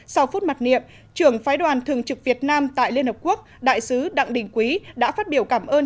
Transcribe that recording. sau phút mặc niệm trưởng phái đoàn thường trực việt nam tại liên hợp quốc đại sứ đặng đình quý đã phát biểu cảm ơn